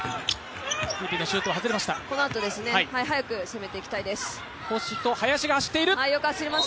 このあと速く攻めていきたいです。